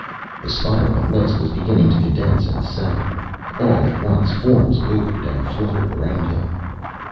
The spiraling mist was beginning to condense and settle. All at once forms wavered and fluttered around him.